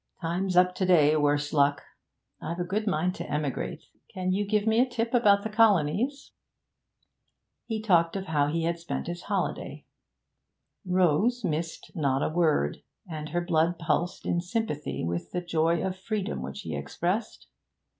Time's up today, worse luck! I've a good mind to emigrate. Can you give me a tip about the colonies?' He talked of how he had spent his holiday. Rose missed not a word, and her blood pulsed in sympathy with the joy of freedom which he expressed.